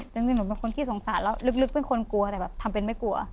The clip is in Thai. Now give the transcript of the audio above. หนึ่งหนูเป็นคนขี้สงสารแล้วลึกเป็นคนกลัวแต่แบบทำเป็นไม่กลัว